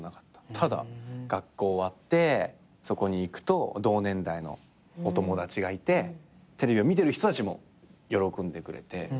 ただ学校終わってそこに行くと同年代のお友達がいてテレビを見てる人たちも喜んでくれて。